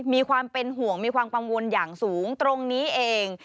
มีความเป็นห่วงมีความกังวลอย่างสูงตรงนี้เอง